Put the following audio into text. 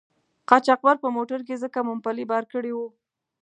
قاچاقبر په موټر کې ځکه مومپلي بار کړي وو.